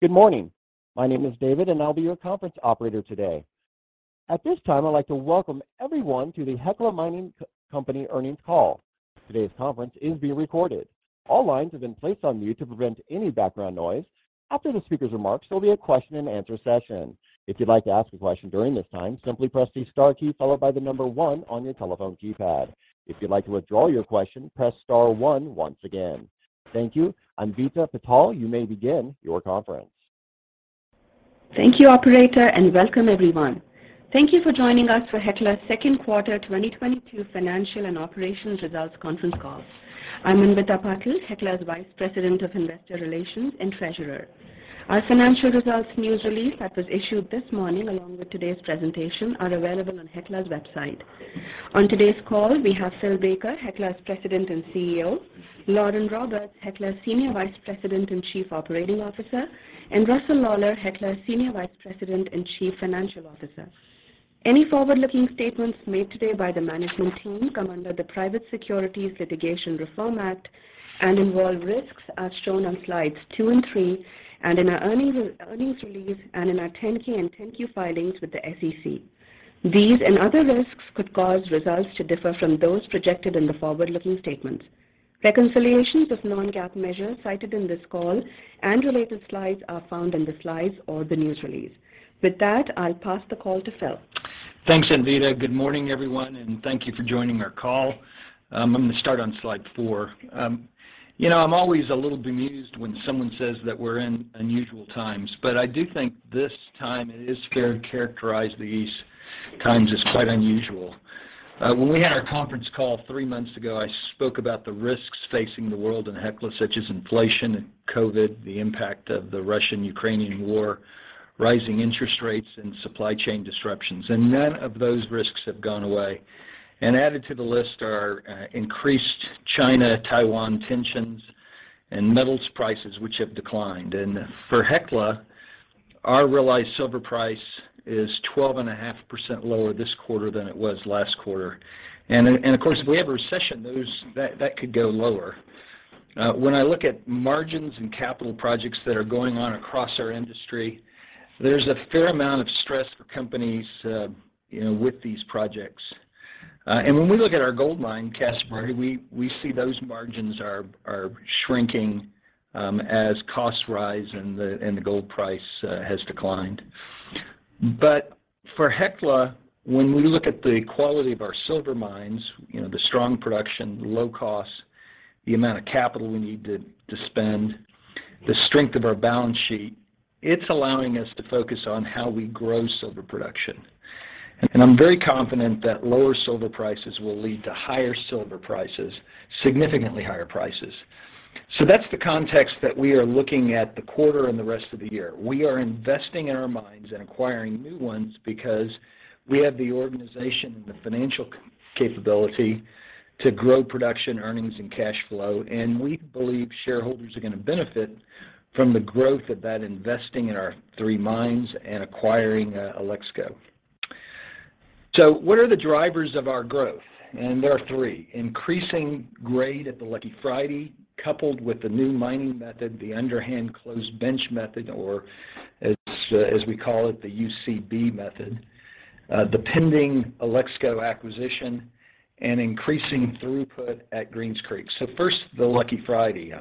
Good morning. My name is David, and I'll be your conference operator today. At this time, I'd like to welcome everyone to the Hecla Mining Company Earnings Call. Today's conference is being recorded. All lines have been placed on mute to prevent any background noise. After the speaker's remarks, there'll be a question-and-answer session. If you'd like to ask a question during this time, simply press the star key followed by the number 1 on your telephone keypad. If you'd like to withdraw your question, press star 1 once again. Thank you. Anvita Patel, you may begin your conference. Thank you, operator, and welcome everyone. Thank you for joining us for Hecla's Second Quarter 2022 Financial and Operations Results Conference Call. I'm Anvita Patel, Hecla's Vice President of Investor Relations and Treasurer. Our financial results news release that was issued this morning, along with today's presentation, are available on Hecla's website. On today's call, we have Phil Baker, Hecla's President and CEO, Lauren Roberts, Hecla's Senior Vice President and Chief Operating Officer, and Russell Lawler, Hecla's Senior Vice President and Chief Financial Officer. Any forward-looking statements made today by the management team come under the Private Securities Litigation Reform Act and involve risks as shown on slides 2 and 3 and in our earnings release and in our 10-K and 10-Q filings with the SEC. These and other risks could cause results to differ from those projected in the forward-looking statements. Reconciliations of non-GAAP measures cited in this call and related slides are found in the slides or the news release. With that, I'll pass the call to Phil. Thanks, Anvita. Good morning, everyone, and thank you for joining our call. I'm going to start on slide 4. You know, I'm always a little bemused when someone says that we're in unusual times, but I do think this time it is fair to characterize these times as quite unusual. When we had our conference call three months ago, I spoke about the risks facing the world and Hecla, such as inflation and COVID, the impact of the Russian-Ukrainian war, rising interest rates and supply chain disruptions. None of those risks have gone away. Added to the list are increased China-Taiwan tensions and metals prices, which have declined. For Hecla, our realized silver price is 12.5% lower this quarter than it was last quarter. Of course, if we have a recession, that could go lower. When I look at margins and capital projects that are going on across our industry, there's a fair amount of stress for companies, you know, with these projects. When we look at our gold mine, Casa Berardi, we see those margins are shrinking, as costs rise and the gold price has declined. For Hecla, when we look at the quality of our silver mines, you know, the strong production, low costs, the amount of capital we need to spend, the strength of our balance sheet, it's allowing us to focus on how we grow silver production. I'm very confident that lower silver prices will lead to higher silver prices, significantly higher prices. That's the context that we are looking at the quarter and the rest of the year. We are investing in our mines and acquiring new ones because we have the organization and the financial capability to grow production, earnings, and cash flow. We believe shareholders are going to benefit from the growth of that investing in our three mines and acquiring Alexco. What are the drivers of our growth? There are three. Increasing grade at the Lucky Friday, coupled with the new mining method, the underhand closed bench method, or as we call it, the UCB method. The pending Alexco acquisition and increasing throughput at Greens Creek. First, the Lucky Friday.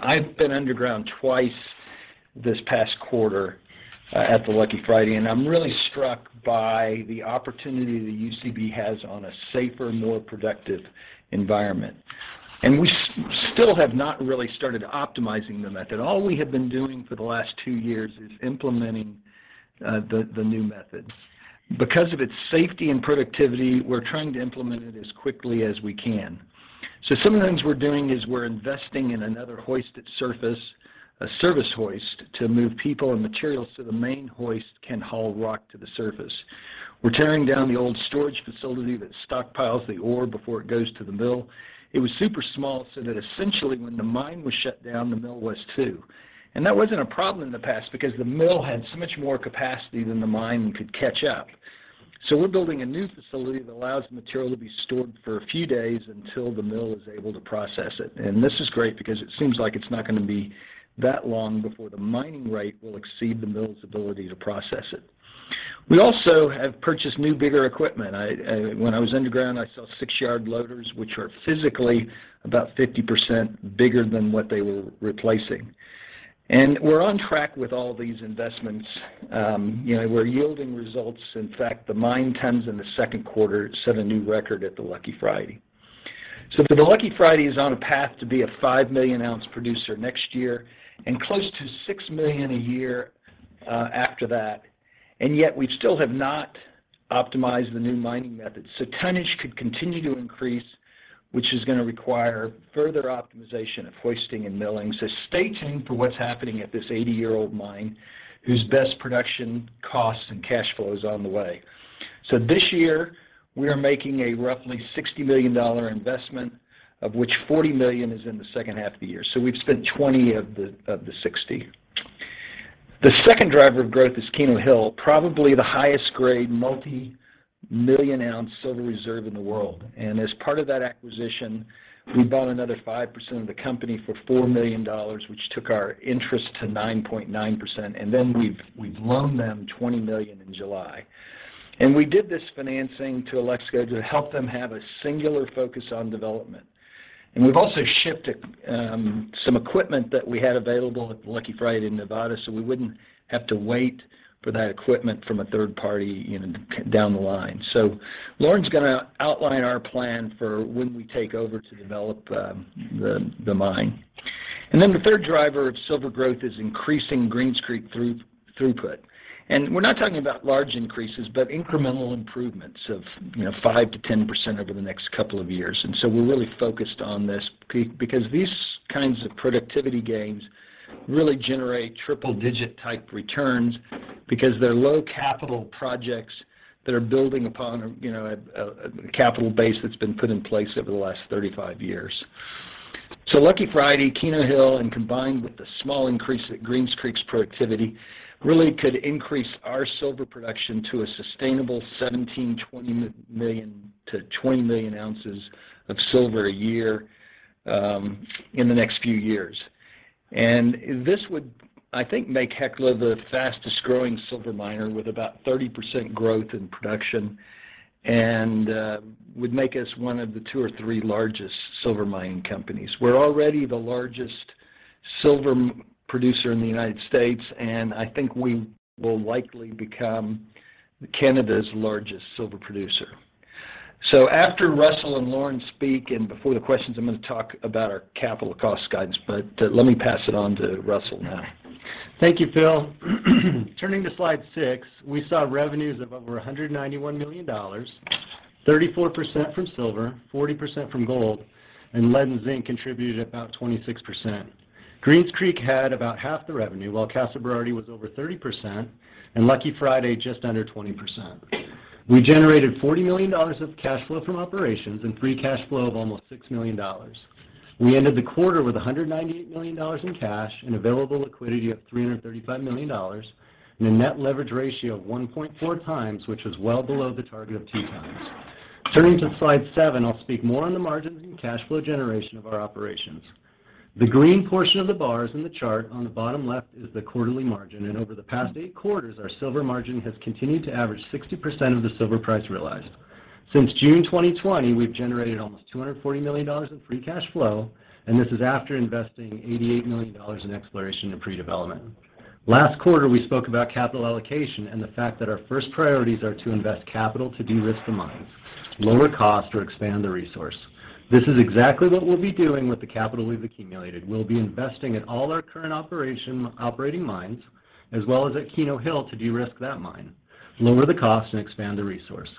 I've been underground twice this past quarter at the Lucky Friday, and I'm really struck by the opportunity the UCB has on a safer, more productive environment. We still have not really started optimizing the method. All we have been doing for the last two years is implementing the new methods. Because of its safety and productivity, we're trying to implement it as quickly as we can. Some of the things we're doing is we're investing in another hoisted surface, a service hoist, to move people and materials, so the main hoist can haul rock to the surface. We're tearing down the old storage facility that stockpiles the ore before it goes to the mill. It was super small, so that essentially when the mine was shut down, the mill was too. That wasn't a problem in the past because the mill had so much more capacity than the mine could catch up. We're building a new facility that allows material to be stored for a few days until the mill is able to process it. This is great because it seems like it's not going to be that long before the mining rate will exceed the mill's ability to process it. We also have purchased new, bigger equipment. I, when I was underground, I saw 6-yard loaders, which are physically about 50% bigger than what they were replacing. We're on track with all these investments. You know, we're yielding results. In fact, the mine tons in the second quarter set a new record at the Lucky Friday. The Lucky Friday is on a path to be a 5 million ounce producer next year and close to 6 million a year after that. Yet we still have not optimized the new mining methods. Tonnage could continue to increase, which is gonna require further optimization of hoisting and milling. Stay tuned for what's happening at this 80-year-old mine, whose best production costs and cash flow is on the way. This year, we are making a roughly $60 million investment, of which $40 million is in the second half of the year. We've spent $20 million of the $60 million. The second driver of growth is Keno Hill, probably the highest-grade multi-million-ounce silver reserve in the world. As part of that acquisition, we bought another 5% of the company for $40 million, which took our interest to 9.9%. We've loaned them $20 million in July. We did this financing to Alexco to help them have a singular focus on development. We've also shipped some equipment that we had available at Lucky Friday in Nevada, so we wouldn't have to wait for that equipment from a third party, you know, down the line. Lauren's gonna outline our plan for when we take over to develop the mine. Then the third driver of silver growth is increasing Greens Creek throughput. We're not talking about large increases, but incremental improvements of, you know, 5%-10% over the next couple of years. We're really focused on this because these kinds of productivity gains really generate triple digit type returns because they're low capital projects that are building upon a, you know, a capital base that's been put in place over the last 35 years. Lucky Friday, Keno Hill, and combined with the small increase at Greens Creek's productivity, really could increase our silver production to a sustainable 17-20 million ounces of silver a year, in the next few years. This would, I think, make Hecla the fastest growing silver miner with about 30% growth in production and would make us one of the two or three largest silver mining companies. We're already the largest silver producer in the United States, and I think we will likely become Canada's largest silver producer. After Russell and Lauren speak, and before the questions, I'm gonna talk about our capital cost guidance. Let me pass it on to Russell now. Thank you, Phil. Turning to slide 6, we saw revenues of over $191 million, 34% from silver, 40% from gold, and lead and zinc contributed about 26%. Greens Creek had about half the revenue, while Casa Berardi was over 30%, and Lucky Friday just under 20%. We generated $40 million of cash flow from operations and free cash flow of almost $6 million. We ended the quarter with $198 million in cash and available liquidity of $335 million and a net leverage ratio of 1.4 times, which is well below the target of 2 times. Turning to slide 7, I'll speak more on the margins and cash flow generation of our operations. The green portion of the bars in the chart on the bottom left is the quarterly margin, and over the past eight quarters, our silver margin has continued to average 60% of the silver price realized. Since June 2020, we've generated almost $240 million in free cash flow, and this is after investing $88 million in exploration and pre-development. Last quarter, we spoke about capital allocation and the fact that our first priorities are to invest capital to de-risk the mines, lower cost, or expand the resource. This is exactly what we'll be doing with the capital we've accumulated. We'll be investing in all our current operating mines, as well as at Keno Hill to de-risk that mine, lower the cost, and expand the resource.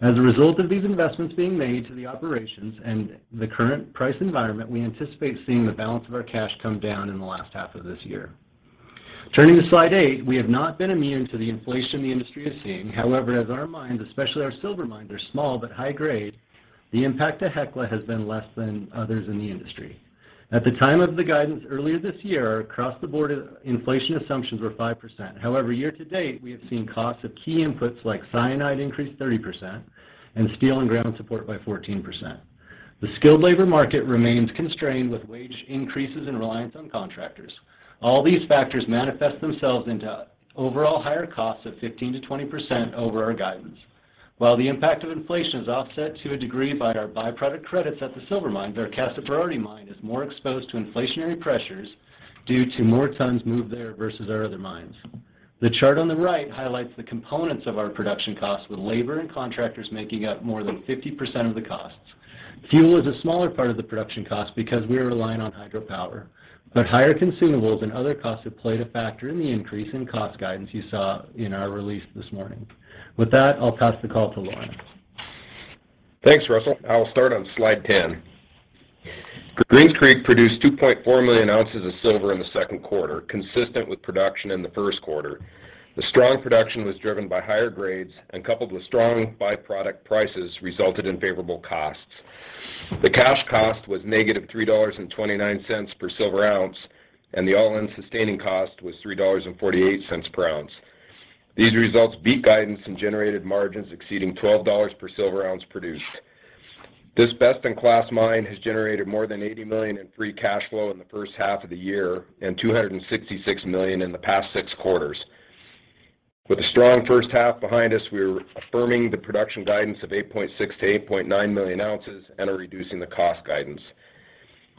As a result of these investments being made to the operations and the current price environment, we anticipate seeing the balance of our cash come down in the last half of this year. Turning to slide 8, we have not been immune to the inflation the industry is seeing. However, as our mines, especially our silver mines, are small but high grade, the impact to Hecla has been less than others in the industry. At the time of the guidance earlier this year, our across-the-board inflation assumptions were 5%. However, year to date, we have seen costs of key inputs like cyanide increase 30% and steel and ground support by 14%. The skilled labor market remains constrained with wage increases and reliance on contractors. All these factors manifest themselves into overall higher costs of 15%-20% over our guidance. While the impact of inflation is offset to a degree by our byproduct credits at the silver mine, our Casa Berardi mine is more exposed to inflationary pressures due to more tons moved there versus our other mines. The chart on the right highlights the components of our production costs, with labor and contractors making up more than 50% of the costs. Fuel is a smaller part of the production cost because we are relying on hydropower. Higher consumables and other costs have played a factor in the increase in cost guidance you saw in our release this morning. With that, I'll pass the call to Lauren. Thanks, Russell. I'll start on slide 10. Greens Creek produced 2.4 million ounces of silver in the second quarter, consistent with production in the first quarter. The strong production was driven by higher grades and, coupled with strong byproduct prices, resulted in favorable costs. The cash cost was -$3.29 per silver ounce, and the all-in sustaining cost was $3.48 per ounce. These results beat guidance and generated margins exceeding $12 per silver ounce produced. This best-in-class mine has generated more than $80 million in free cash flow in the first half of the year and $266 million in the past six quarters. With a strong first half behind us, we're affirming the production guidance of 8.6-8.9 million ounces and are reducing the cost guidance.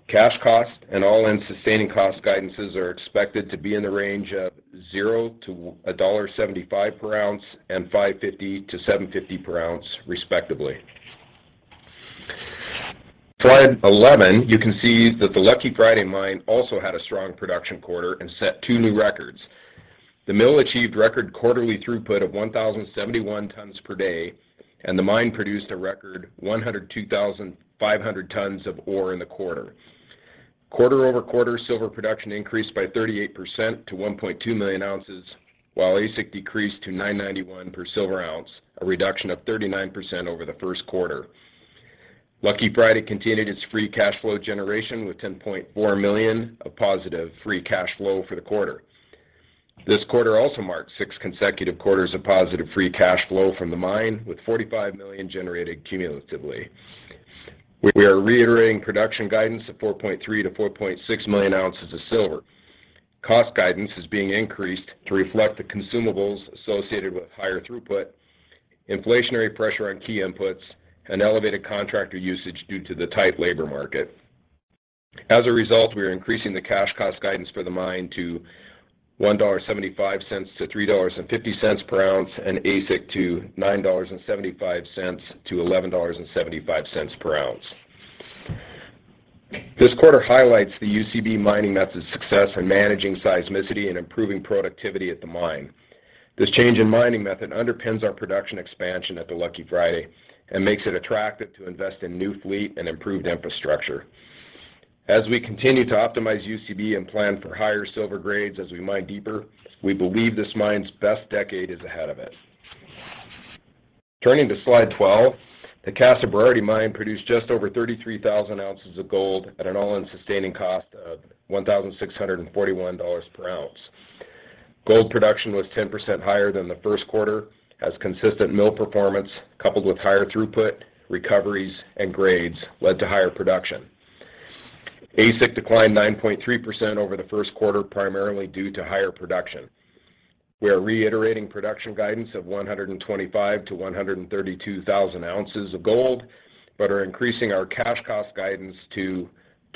Cash cost and all-in sustaining cost guidances are expected to be in the range of $0-$1.75 per ounce and $550-$750 per ounce respectively. Slide 11, you can see that the Lucky Friday mine also had a strong production quarter and set two new records. The mill achieved record quarterly throughput of 1,071 tons per day, and the mine produced a record 102,500 tons of ore in the quarter. Quarter-over-quarter, silver production increased by 38% to 1.2 million ounces, while AISC decreased to $991 per silver ounce, a reduction of 39% over the first quarter. Lucky Friday continued its free cash flow generation with $10.4 million of positive free cash flow for the quarter. This quarter also marked six consecutive quarters of positive free cash flow from the mine, with $45 million generated cumulatively. We are reiterating production guidance of 4.3-4.6 million ounces of silver. Cost guidance is being increased to reflect the consumables associated with higher throughput, inflationary pressure on key inputs, and elevated contractor usage due to the tight labor market. As a result, we are increasing the cash cost guidance for the mine to $1.75-$3.50 per ounce and AISC to $9.75-$11.75 per ounce. This quarter highlights the UCB mining method's success in managing seismicity and improving productivity at the mine. This change in mining method underpins our production expansion at the Lucky Friday and makes it attractive to invest in new fleet and improved infrastructure. As we continue to optimize UCB and plan for higher silver grades as we mine deeper, we believe this mine's best decade is ahead of it. Turning to slide 12, the Casa Berardi mine produced just over 33,000 ounces of gold at an all-in sustaining cost of $1,641 per ounce. Gold production was 10% higher than the first quarter as consistent mill performance coupled with higher throughput, recoveries, and grades led to higher production. AISC declined 9.3% over the first quarter, primarily due to higher production. We are reiterating production guidance of 125,000-132,000 ounces of gold, but are increasing our cash cost guidance to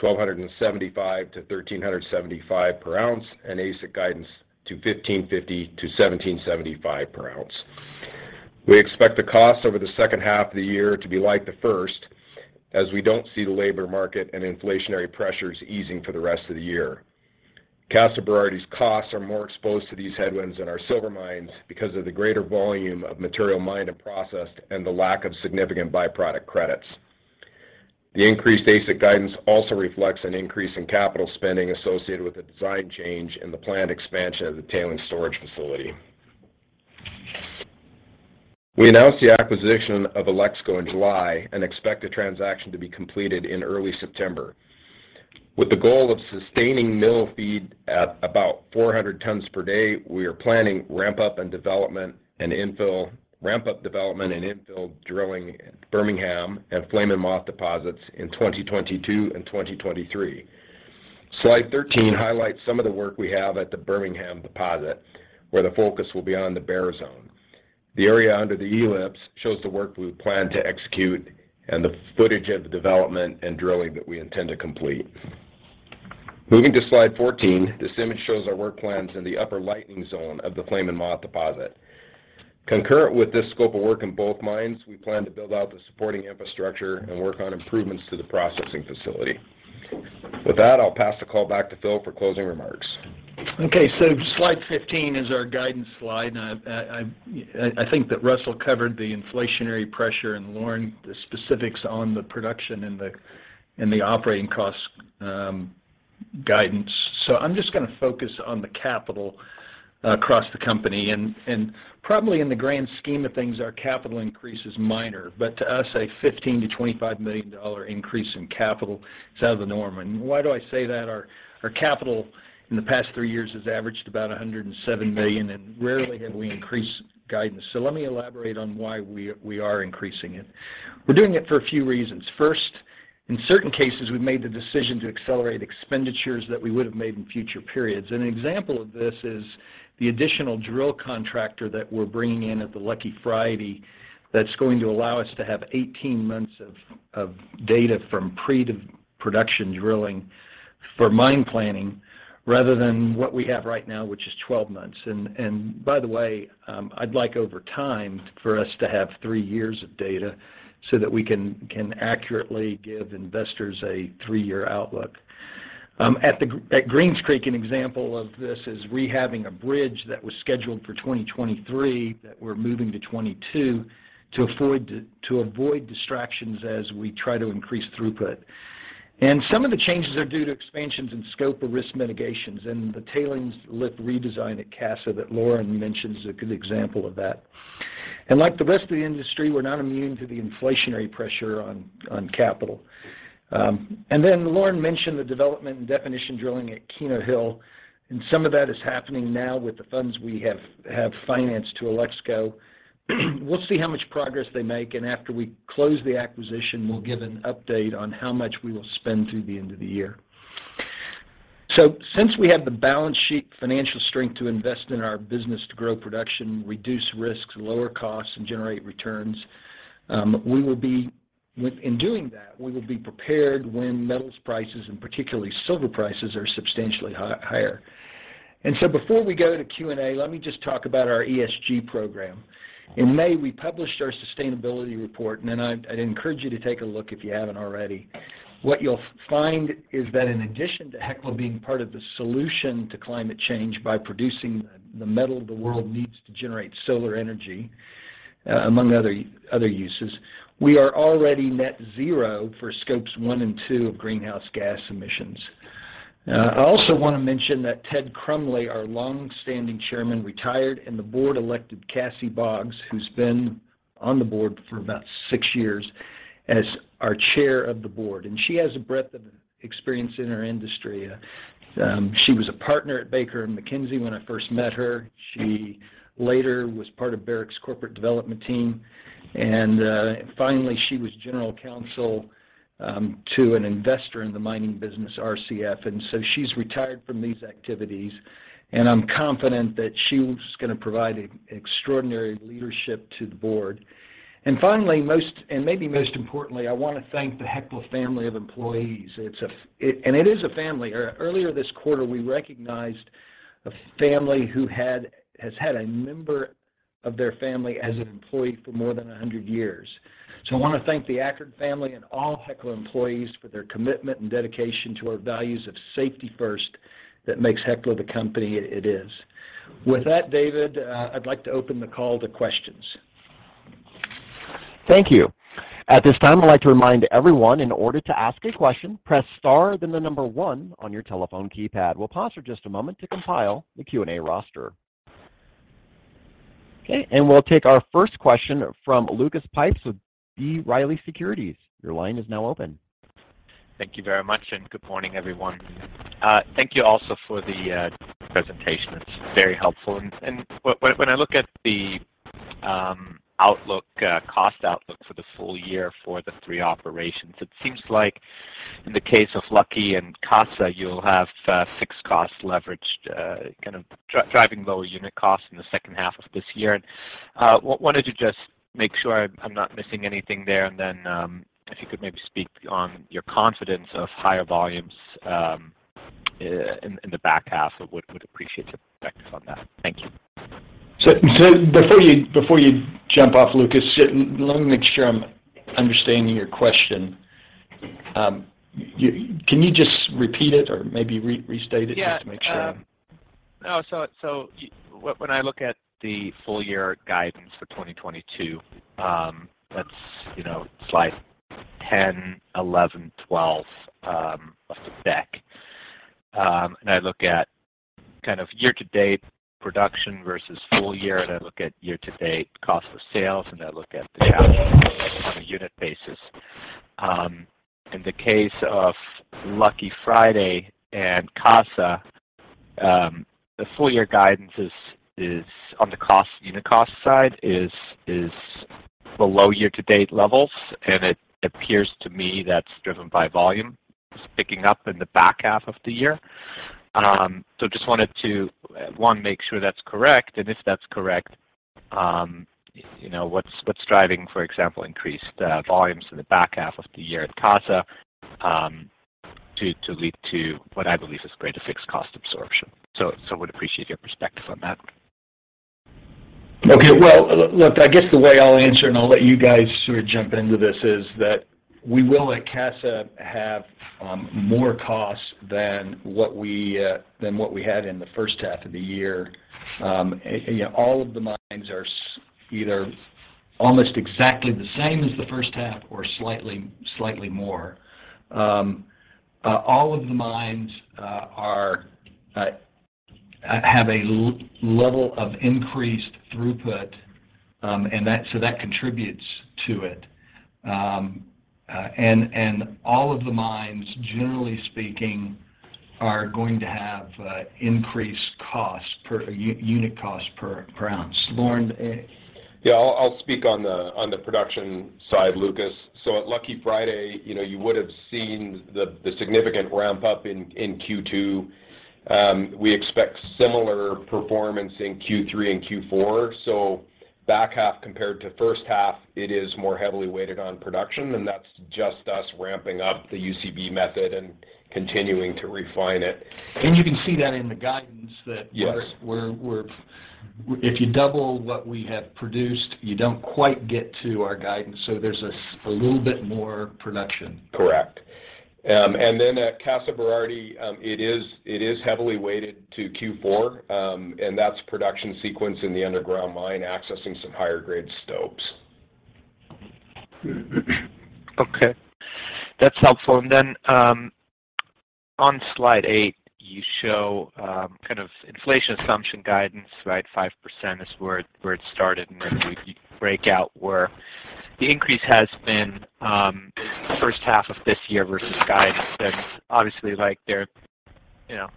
$1,275-$1,375 per ounce and AISC guidance to $1,550-$1,775 per ounce. We expect the costs over the second half of the year to be like the first, as we don't see the labor market and inflationary pressures easing for the rest of the year. Casa Berardi's costs are more exposed to these headwinds than our silver mines because of the greater volume of material mined and processed and the lack of significant byproduct credits. The increased AISC guidance also reflects an increase in capital spending associated with the design change and the planned expansion of the tailings storage facility. We announced the acquisition of Alexco in July and expect the transaction to be completed in early September. With the goal of sustaining mill feed at about 400 tons per day, we are planning ramp up development and infill drilling at Birmingham and Flame and Moth deposits in 2022 and 2023. Slide 13 highlights some of the work we have at the Birmingham deposit, where the focus will be on the Bear Zone. The area under the ellipse shows the work we plan to execute and the footage of the development and drilling that we intend to complete. Moving to slide 14, this image shows our work plans in the upper Lightning Zone of the Flame and Moth deposit. Concurrent with this scope of work in both mines, we plan to build out the supporting infrastructure and work on improvements to the processing facility. With that, I'll pass the call back to Phil for closing remarks. Okay. Slide 15 is our guidance slide, and I think that Russell covered the inflationary pressure and Lauren, the specifics on the production and the operating cost guidance. I'm just going to focus on the capital across the company. Probably in the grand scheme of things, our capital increase is minor, but to us, a $15-$25 million increase in capital is out of the norm. Why do I say that? Our capital in the past three years has averaged about $107 million, and rarely have we increased guidance. Let me elaborate on why we are increasing it. We're doing it for a few reasons. First, in certain cases, we've made the decision to accelerate expenditures that we would have made in future periods. An example of this is the additional drill contractor that we're bringing in at the Lucky Friday that's going to allow us to have 18 months of data from pre-to-production drilling for mine planning rather than what we have right now, which is 12 months. By the way, I'd like over time for us to have three years of data so that we can accurately give investors a three-year outlook. At Greens Creek, an example of this is rehabbing a bridge that was scheduled for 2023 that we're moving to 2022 to avoid distractions as we try to increase throughput. Some of the changes are due to expansions in scope or risk mitigations, and the tailings lift redesign at Casa Berardi that Lauren mentioned is a good example of that. Like the rest of the industry, we're not immune to the inflationary pressure on capital. Then Lauren mentioned the development and definition drilling at Keno Hill, and some of that is happening now with the funds we have financed to Alexco. We'll see how much progress they make, and after we close the acquisition, we'll give an update on how much we will spend through the end of the year. Since we have the balance sheet financial strength to invest in our business to grow production, reduce risks, lower costs, and generate returns, in doing that, we will be prepared when metals prices and particularly silver prices are substantially higher. Before we go to Q&A, let me just talk about our ESG program. In May, we published our sustainability report, and I'd encourage you to take a look if you haven't already. What you'll find is that in addition to Hecla being part of the solution to climate change by producing the metal the world needs to generate solar energy, among other uses, we are already net zero for scopes one and two of greenhouse gas emissions. I also want to mention that Ted Crumley, our long-standing chairman, retired, and the board elected Catherine J. Boggs, who's been on the board for about six years, as our chair of the board. She has a breadth of experience in our industry. She was a partner at Baker McKenzie when I first met her. She later was part of Barrick's corporate development team, and finally, she was general counsel to an investor in the mining business, RCF. She's retired from these activities, and I'm confident that she's gonna provide extraordinary leadership to the board. Finally, and maybe most importantly, I want to thank the Hecla family of employees. It is a family. Earlier this quarter, we recognized a family who has had a member of their family as an employee for more than 100 years. I want to thank the Aykroyd family and all Hecla employees for their commitment and dedication to our values of safety first that makes Hecla the company it is. With that, David, I'd like to open the call to questions. Thank you. At this time, I'd like to remind everyone, in order to ask a question, press star then the number 1 on your telephone keypad. We'll pause for just a moment to compile the Q&A roster. Okay, we'll take our first question from Lucas Pipes with B. Riley Securities. Your line is now open. Thank you very much, and good morning, everyone. Thank you also for the presentation. It's very helpful. When I look at the outlook, cost outlook for the full year for the three operations, it seems like in the case of Lucky and Casa Berardi, you'll have fixed costs leveraged, kind of driving lower unit costs in the second half of this year. Wanted to just make sure I'm not missing anything there. If you could maybe speak on your confidence of higher volumes in the back half. Would appreciate your perspective on that. Thank you. Before you jump off, Lucas, just let me make sure I'm understanding your question. You, can you just repeat it or maybe restate it just to make sure? Yeah. No. When I look at the full year guidance for 2022, that's, you know, slide 10, 11, 12 of the deck. I look at kind of year-to-date production versus full year, and I look at year-to-date cost of sales, and I look at the value on a unit basis. In the case of Lucky Friday and Casa Berardi, the full year guidance is on the cost, unit cost side is below year-to-date levels, and it appears to me that's driven by volume picking up in the back half of the year. Just wanted to, one, make sure that's correct. If that's correct, you know, what's driving, for example, increased volumes in the back half of the year at Casa Berardi, to lead to what I believe is greater fixed cost absorption. So would appreciate your perspective on that. Okay. Well, look, I guess the way I'll answer, and I'll let you guys sort of jump into this, is that we will, at Casa Berardi, have more costs than what we had in the first half of the year. You know, all of the mines are either almost exactly the same as the first half or slightly more. All of the mines have a level of increased throughput, and so that contributes to it. All of the mines, generally speaking, are going to have increased costs per unit cost per ounce. Lauren? Yeah. I'll speak on the production side, Lucas. At Lucky Friday, you know, you would have seen the significant ramp-up in Q2. We expect similar performance in Q3 and Q4. Back half compared to first half, it is more heavily weighted on production, and that's just us ramping up the UCB method and continuing to refine it. You can see that in the guidance. Yes. If you double what we have produced, you don't quite get to our guidance. There's a little bit more production. Correct. At Casa Berardi, it is heavily weighted to Q4, and that's production sequence in the underground mine accessing some higher grade stopes. Okay. That's helpful. On slide 8, you show kind of inflation assumption guidance, right? 5% is where it started, and then we break out where the increase has been first half of this year versus guidance. Obviously like there, you know,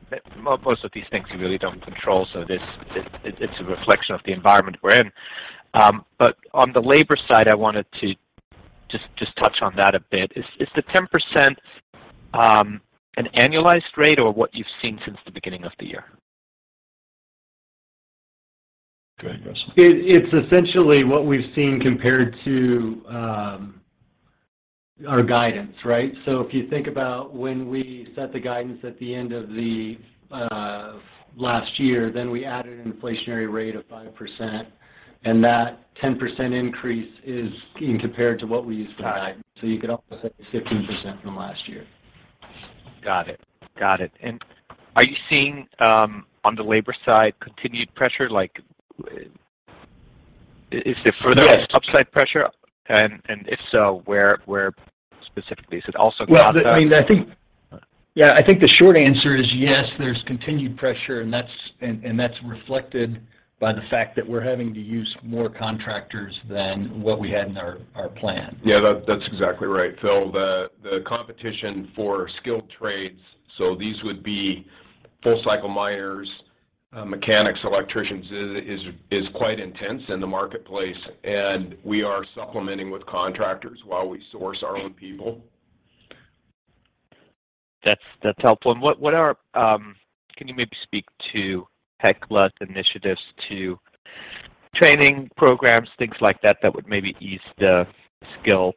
most of these things you really don't control, so it's a reflection of the environment we're in. On the labor side, I wanted to just touch on that a bit. Is the 10% an annualized rate or what you've seen since the beginning of the year? Go ahead, guys. It's essentially what we've seen compared to our guidance, right? If you think about when we set the guidance at the end of the last year, then we added an inflationary rate of 5%, and that 10% increase is being compared to what we used for guidance. You could also say 15% from last year. Got it. Are you seeing, on the labor side, continued pressure? Is there further- Yes - upside pressure? If so, where specifically? Is it also got the Well, I mean, I think, yeah, I think the short answer is yes, there's continued pressure, and that's reflected by the fact that we're having to use more contractors than what we had in our plan. Yeah. That's exactly right, Phil. The competition for skilled trades, so these would be full cycle miners, mechanics, electricians, is quite intense in the marketplace, and we are supplementing with contractors while we source our own people. That's helpful. Can you maybe speak to [Pact-related] initiatives to training programs, things like that would maybe ease the skilled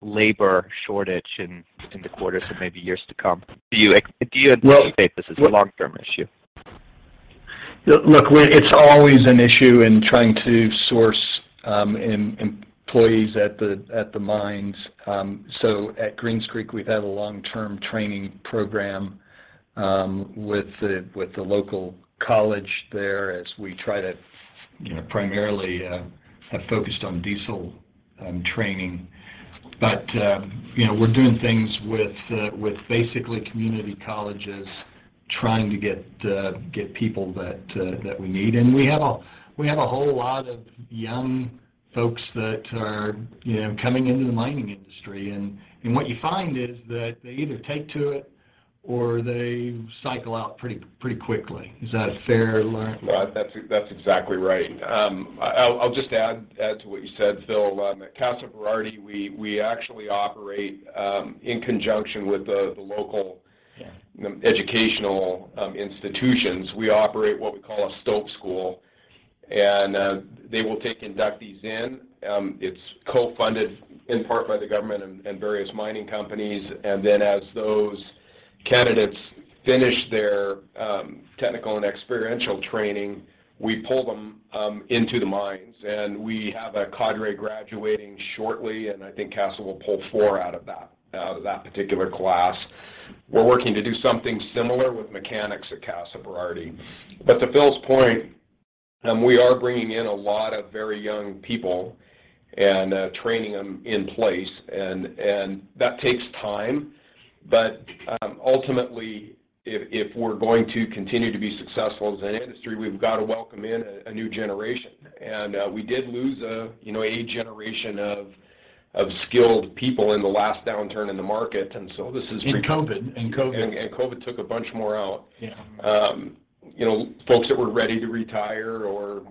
labor shortage in the quarters and maybe years to come? Do you - Well- Do you anticipate this as a long-term issue? Look, it's always an issue in trying to source employees at the mines. At Greens Creek, we've had a long-term training program with the local college there as we try to, you know, primarily have focused on diesel training. You know, we're doing things with basically community colleges trying to get people that we need. We have a whole lot of young folks that are, you know, coming into the mining industry. What you find is that they either take to it or they cycle out pretty quickly. Is that fair Lauren? That's exactly right. I'll just add to what you said, Phil. At Casa Berardi, we actually operate in conjunction with the local- Yeah... educational institutions. We operate what we call a stope school, and they will take inductees in. It's co-funded in part by the government and various mining companies. Then as those candidates finish their technical and experiential training, we pull them into the mines. We have a cadre graduating shortly, and I think Casa Berardi will pull four out of that particular class. We're working to do something similar with mechanics at Casa Berardi. To Phil's point, we are bringing in a lot of very young people and training them in place and that takes time. Ultimately, if we're going to continue to be successful as an industry, we've got to welcome in a new generation. We did lose a, you know, a generation of skilled people in the last downturn in the market. This is- In COVID. COVID took a bunch more out. Yeah. You know, folks that were ready to retire or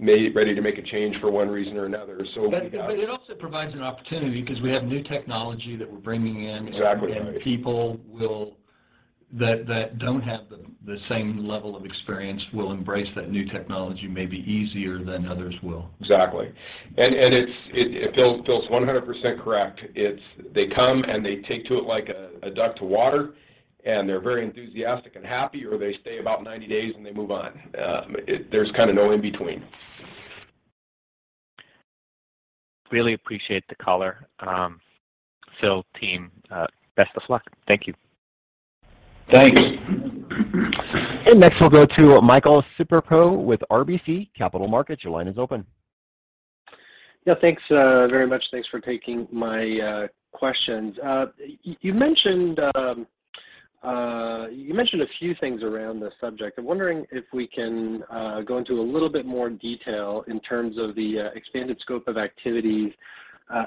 ready to make a change for one reason or another. It also provides an opportunity because we have new technology that we're bringing in. Exactly. People that don't have the same level of experience will embrace that new technology maybe easier than others will. Exactly. It's Phil, it's 100% correct. They come, and they take to it like a duck to water, and they're very enthusiastic and happy, or they stay about 90 days, and they move on. There's kind of no in between. Really appreciate the color. Phil, team, best of luck. Thank you. Thanks. Next, we'll go to Michael Siperco with RBC Capital Markets. Your line is open. Yeah. Thanks, very much. Thanks for taking my questions. You mentioned a few things around this subject. I'm wondering if we can go into a little bit more detail in terms of the expanded scope of activities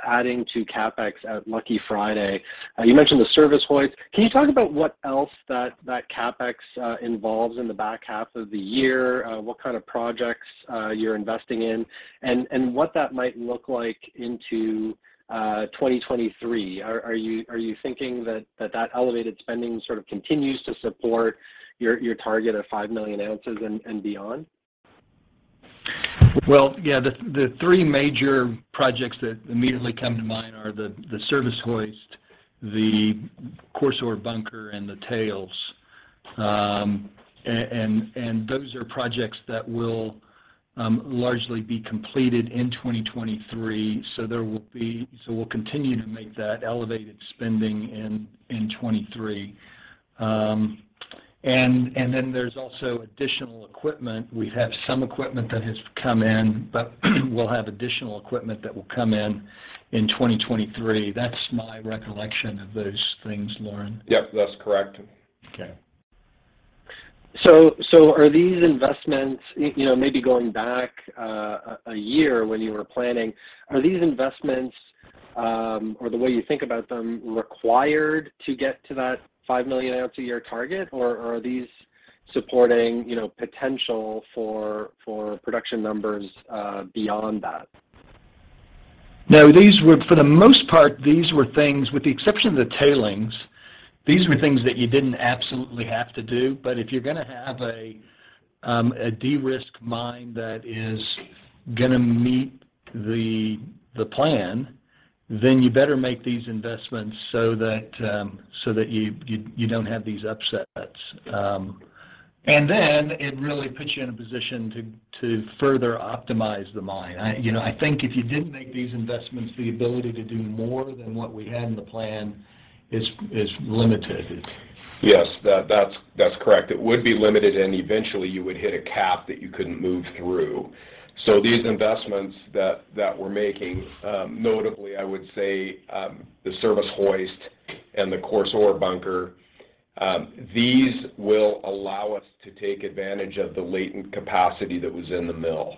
adding to CapEx at Lucky Friday. You mentioned the service hoist. Can you talk about what else that CapEx involves in the back half of the year, what kind of projects you're investing in and what that might look like into 2023? Are you thinking that that elevated spending sort of continues to support your target of 5 million ounces and beyond? Well, yeah. The three major projects that immediately come to mind are the service hoist, the coarse ore bunker, and the tailings. And those are projects that will largely be completed in 2023. We'll continue to make that elevated spending in 2023. And then there's also additional equipment. We have some equipment that has come in, but we'll have additional equipment that will come in in 2023. That's my recollection of those things, Lauren. Yep. That's correct. Okay, are these investments, you know, maybe going back a year when you were planning, or the way you think about them, required to get to that 5 million ounce a year target, or are these supporting, you know, potential for production numbers beyond that? No. For the most part, these were things, with the exception of the tailings, these were things that you didn't absolutely have to do. If you're gonna have a de-risk mine that is gonna meet the plan, then you better make these investments so that you don't have these upsets. It really puts you in a position to further optimize the mine. You know, I think if you didn't make these investments, the ability to do more than what we had in the plan is limited. Yes. That's correct. It would be limited, and eventually you would hit a cap that you couldn't move through. These investments that we're making, notably, I would say, the service hoist and the coarse ore bunker, these will allow us to take advantage of the latent capacity that was in the mill.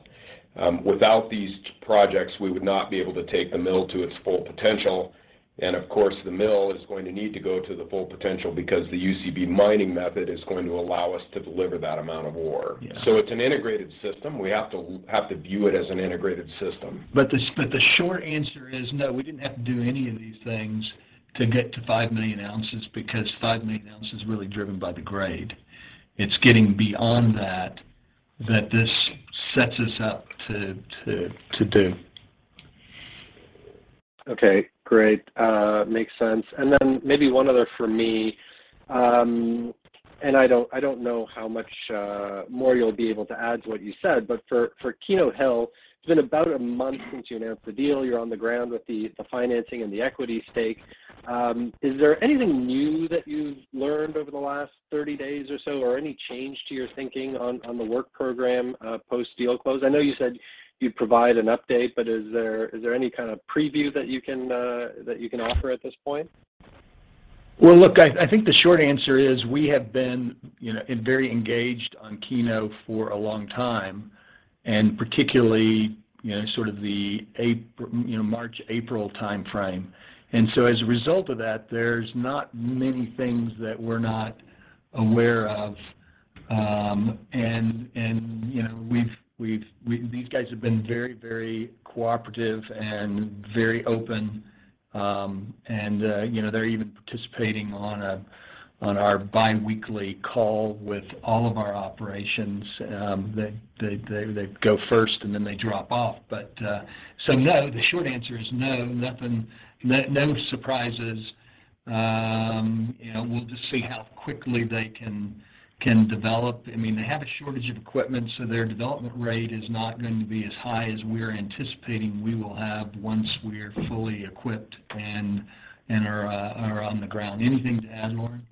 Without these projects, we would not be able to take the mill to its full potential, and of course, the mill is going to need to go to the full potential because the UCB mining method is going to allow us to deliver that amount of ore. Yeah. It's an integrated system. We have to view it as an integrated system. The short answer is no, we didn't have to do any of these things to get to 5 million ounces because 5 million ounces is really driven by the grade. It's getting beyond that this sets us up to do. Okay. Great. Makes sense. Maybe one other from me, and I don't know how much more you'll be able to add to what you said, but for Keno Hill, it's been about a month since you announced the deal. You're on the ground with the financing and the equity stake. Is there anything new that you've learned over the last 30 days or so, or any change to your thinking on the work program post-deal close? I know you said you'd provide an update, but is there any kind of preview that you can offer at this point? Well, look, I think the short answer is we have been, you know, very engaged on Keno for a long time, and particularly, you know, sort of the March, April timeframe. As a result of that, there's not many things that we're not aware of. You know, these guys have been very, very cooperative and very open. You know, they're even participating on our biweekly call with all of our operations, that they go first and then they drop off. No. The short answer is no. Nothing. No surprises. You know, we'll just see how quickly they can develop. I mean, they have a shortage of equipment, so their development rate is not going to be as high as we're anticipating we will have once we're fully equipped and are on the ground. Anything to add, Lauren?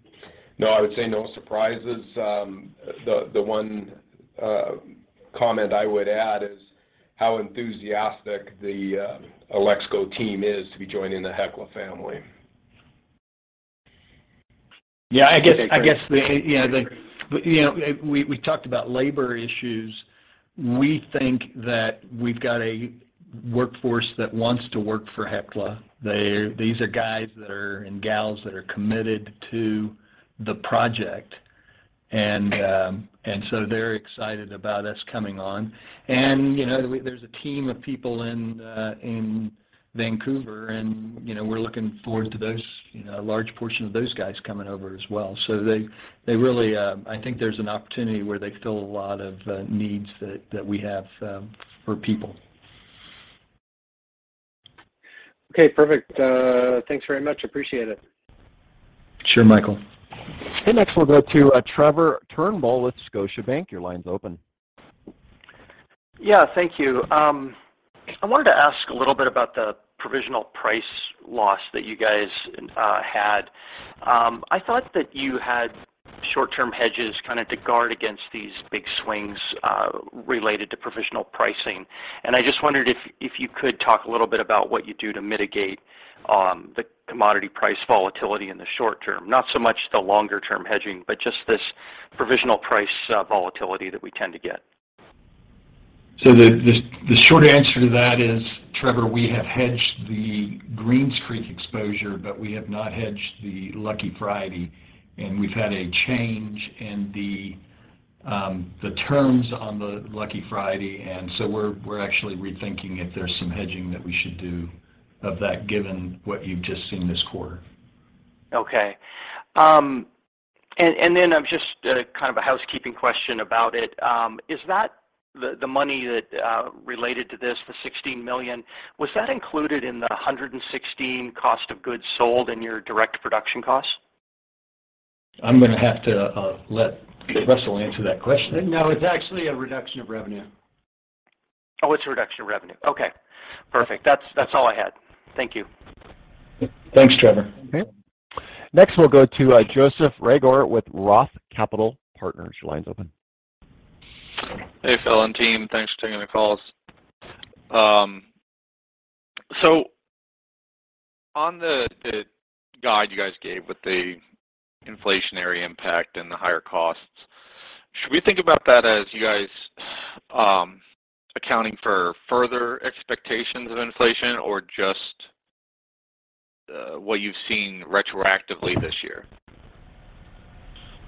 No, I would say no surprises. The one comment I would add is how enthusiastic the Alexco team is to be joining the Hecla family. Yeah. I guess. Okay, great. You know, we talked about labor issues. We think that we've got a workforce that wants to work for Hecla. These are guys and gals that are committed to the project, and so they're excited about us coming on. You know, there's a team of people in Vancouver, and you know, we're looking forward to those, you know, a large portion of those guys coming over as well. They really, I think there's an opportunity where they fill a lot of needs that we have for people. Okay, perfect. Thanks very much. Appreciate it. Sure, Michael. Next we'll go to Trevor Turnbull with Scotiabank. Your line's open. Yeah. Thank you. I wanted to ask a little bit about the provisional price loss that you guys had. I thought that you had short-term hedges kind of to guard against these big swings related to provisional pricing, and I just wondered if you could talk a little bit about what you do to mitigate the commodity price volatility in the short term. Not so much the longer term hedging, but just this provisional price volatility that we tend to get. The short answer to that is, Trevor, we have hedged the Greens Creek exposure, but we have not hedged the Lucky Friday, and we've had a change in the terms on the Lucky Friday. We're actually rethinking if there's some hedging that we should do of that, given what you've just seen this quarter. Okay. Just kind of a housekeeping question about it. Is that the money that related to this, the $16 million, included in the $116 million cost of goods sold in your direct production costs? I'm gonna have to let Russell answer that question. No, it's actually a reduction of revenue. Oh, it's a reduction of revenue. Okay, perfect. That's all I had. Thank you. Thanks, Trevor. Okay. Next we'll go to, Joseph Reagor with Roth Capital Partners. Your line's open. Hey, Phil and team. Thanks for taking the calls. On the guide you guys gave with the inflationary impact and the higher costs, should we think about that as you guys accounting for further expectations of inflation or just what you've seen retroactively this year?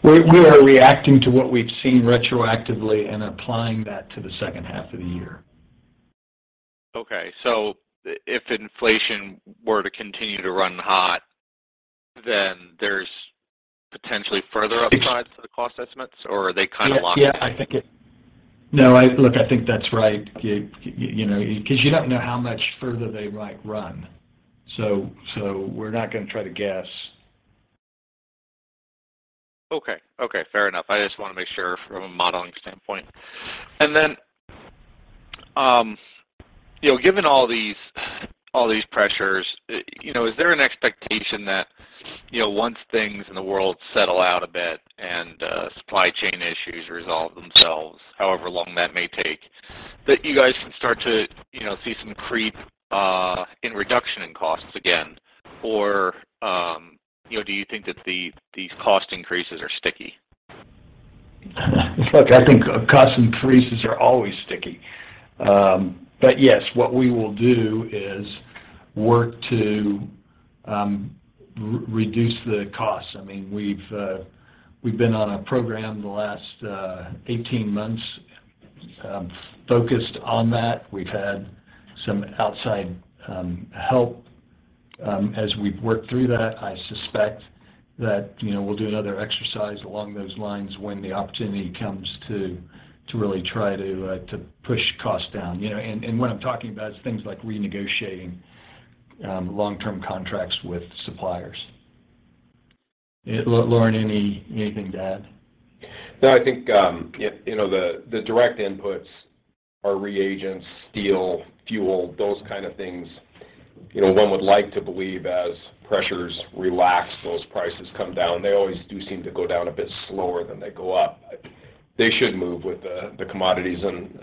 We are reacting to what we've seen retroactively and applying that to the second half of the year. Okay. If inflation were to continue to run hot, then there's potentially further upsides to the cost estimates or are they kind of locked in? Yeah. Look, I think that's right. You know, because you don't know how much further they might run. We're not gonna try to guess. Okay. Okay, fair enough. I just wanna make sure from a modeling standpoint. You know, given all these pressures, you know, is there an expectation that, you know, once things in the world settle out a bit and, supply chain issues resolve themselves, however long that may take, that you guys can start to, you know, see some creep, in reduction in costs again? Or, you know, do you think that these cost increases are sticky? Look, I think cost increases are always sticky. Yes, what we will do is work to reduce the costs. I mean, we've been on a program the last 18 months focused on that. We've had some outside help as we've worked through that. I suspect that, you know, we'll do another exercise along those lines when the opportunity comes to really try to push costs down. You know, and what I'm talking about is things like renegotiating long-term contracts with suppliers. Lauren, anything to add? No, I think you know, the direct inputs are reagents, steel, fuel, those kind of things. You know, one would like to believe as pressures relax, those prices come down. They always do seem to go down a bit slower than they go up. They should move with the commodities and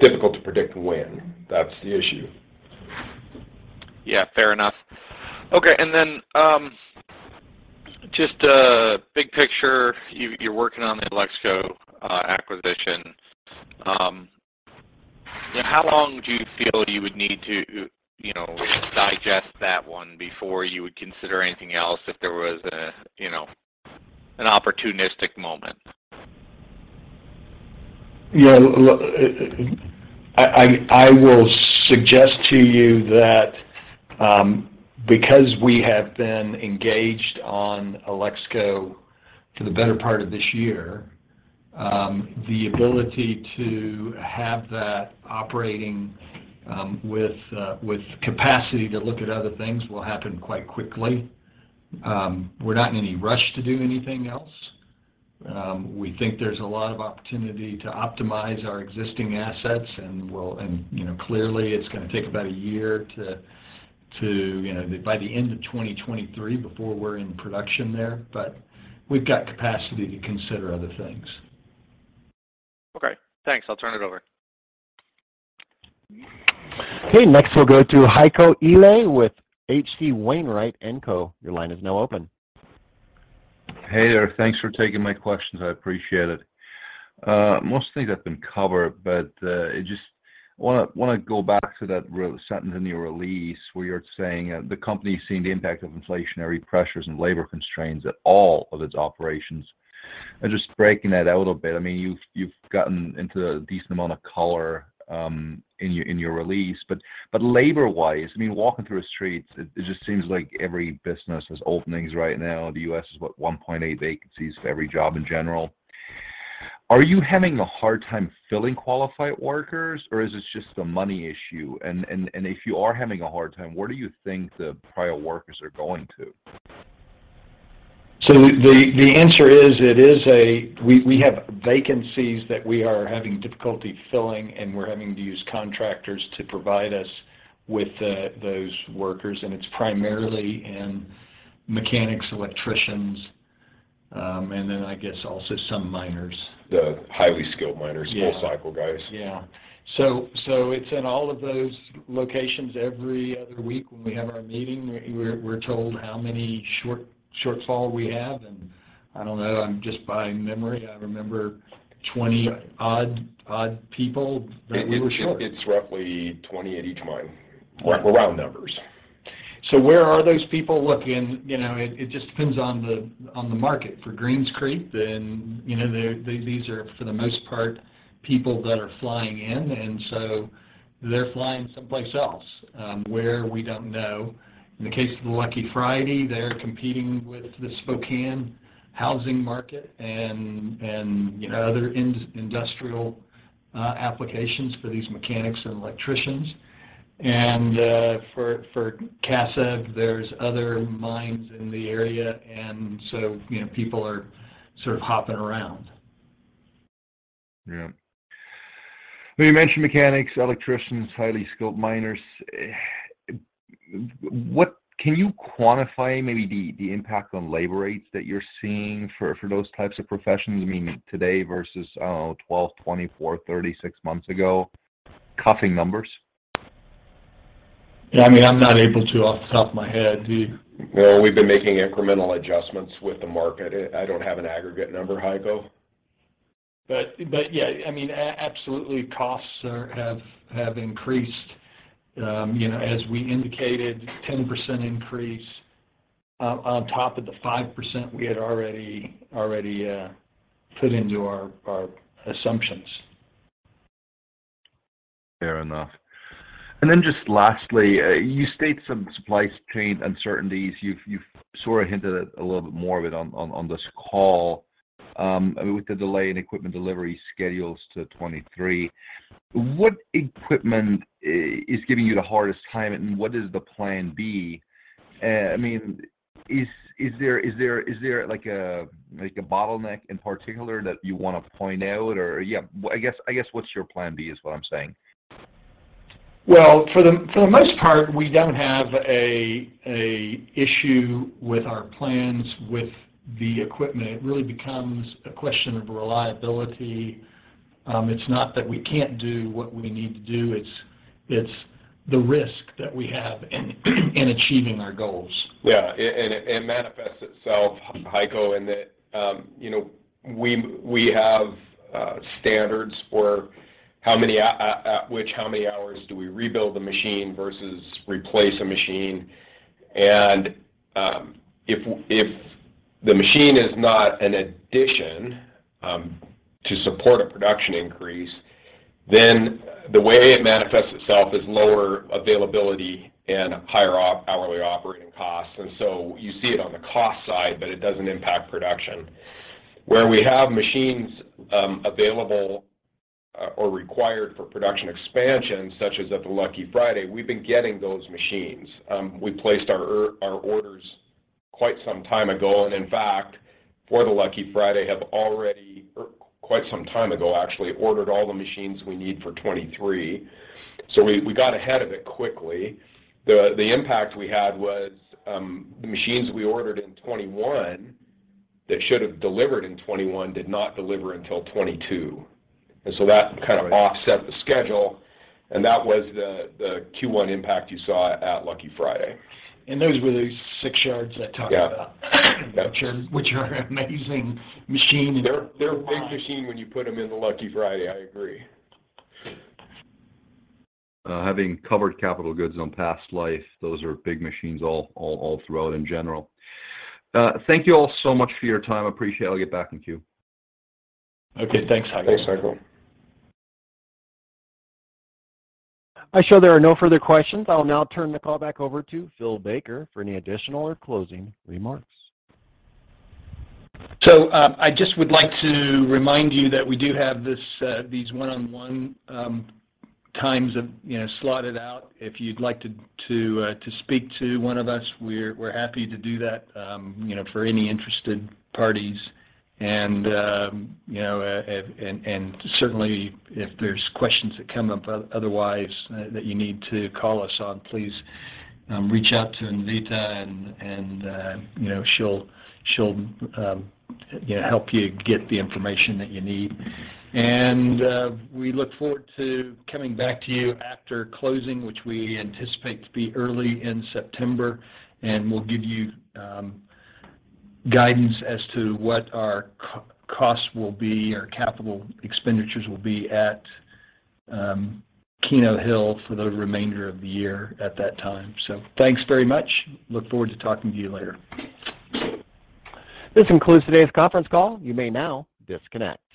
difficult to predict when. That's the issue. Yeah, fair enough. Okay, just, big picture, you're working on the Alexco acquisition. How long do you feel you would need to, you know, digest that one before you would consider anything else if there was a, you know, an opportunistic moment? Yeah, look, I will suggest to you that, because we have been engaged on Alexco for the better part of this year, the ability to have that operating, with capacity to look at other things will happen quite quickly. We're not in any rush to do anything else. We think there's a lot of opportunity to optimize our existing assets, and, you know, clearly it's gonna take about a year to, by the end of 2023 before we're in production there. We've got capacity to consider other things. Okay, thanks. I'll turn it over. Okay, next we'll go to Heiko Ihle with H.C. Wainwright & Co. Your line is now open. Hey there. Thanks for taking my questions. I appreciate it. Most things have been covered, but I just wanna go back to that sentence in your release where you're saying the company's seeing the impact of inflationary pressures and labor constraints at all of its operations. Just breaking that out a little bit, I mean, you've gotten into a decent amount of color in your release, but labor-wise, I mean, walking through the streets, it just seems like every business has openings right now. The U.S. has, what, 1.8 vacancies for every job in general. Are you having a hard time filling qualified workers, or is this just a money issue? If you are having a hard time, where do you think the prior workers are going to? The answer is we have vacancies that we are having difficulty filling, and we're having to use contractors to provide us with those workers, and it's primarily in mechanics, electricians, and then I guess also some miners. The highly skilled miners. Yeah. Full cycle guys. Yeah. It's in all of those locations. Every other week when we have our meeting we're told how many shortfall we have, and I don't know, I'm just by memory, I remember 20 odd people that we were short. It's roughly 20 at each mine. Right. Round numbers. Where are those people? You know, it just depends on the market. For Greens Creek, you know, these are for the most part people that are flying in, and so they're flying someplace else, where we don't know. In the case of the Lucky Friday, they're competing with the Spokane housing market and, you know, other industrial applications for these mechanics and electricians. For Casa Berardi, there's other mines in the area and so, you know, people are sort of hopping around. Yeah. Well, you mentioned mechanics, electricians, highly skilled miners. What can you quantify maybe the impact on labor rates that you're seeing for those types of professions? I mean, today versus, I don't know, 12, 24, 36 months ago, off-the-cuff numbers? Yeah, I mean, I'm not able to off the top of my head. Do you? Well, we've been making incremental adjustments with the market. I don't have an aggregate number, Heiko Ihle. Yeah, I mean, absolutely costs have increased. You know, as we indicated, 10% increase on top of the 5% we had already put into our assumptions. Fair enough. Just lastly, you state some supply chain uncertainties. You've sort of hinted at a little bit more of it on this call, with the delay in equipment delivery schedules to 2023. What equipment is giving you the hardest time, and what is the plan B? Is there like a bottleneck in particular that you want to point out? Or yeah, I guess what's your plan B is what I'm saying. Well, for the most part, we don't have a issue with our plans with the equipment. It really becomes a question of reliability. It's not that we can't do what we need to do, it's the risk that we have in achieving our goals. It manifests itself, Heiko, in that, you know, we have standards for how many hours do we rebuild the machine versus replace a machine. If the machine is not an addition to support a production increase, then the way it manifests itself is lower availability and higher per-hourly operating costs. You see it on the cost side, but it doesn't impact production. Where we have machines available or required for production expansion, such as at the Lucky Friday, we've been getting those machines. We placed our orders quite some time ago. In fact, for the Lucky Friday, we have already ordered all the machines we need for 2023 quite some time ago, actually. We got ahead of it quickly. The impact we had was the machines we ordered in 2021 that should have delivered in 2021 did not deliver until 2022. That kind of offset the schedule, and that was the Q1 impact you saw at Lucky Friday. Those were 6-yards I talked about. Yeah. Gotcha. Which are amazing machines. They're a big machine when you put them in the Lucky Friday. I agree. Having covered capital goods on past life, those are big machines all throughout in general. Thank you all so much for your time. Appreciate it. I'll get back in queue. Okay. Thanks, Heiko. Thanks, Heiko. I show there are no further questions. I'll now turn the call back over to Phillips S. Baker, Jr. for any additional or closing remarks. I just would like to remind you that we do have these one-on-one times of, you know, slotted out. If you'd like to speak to one of us, we're happy to do that, you know, for any interested parties. You know, and certainly if there's questions that come up otherwise that you need to call us on, please reach out to Anvita Patel and, you know, she'll help you get the information that you need. We look forward to coming back to you after closing, which we anticipate to be early in September, and we'll give you guidance as to what our costs will be or capital expenditures will be at Keno Hill for the remainder of the year at that time. Thanks very much. Look forward to talking to you later. This concludes today's conference call. You may now disconnect.